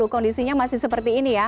kondisinya masih seperti ini ya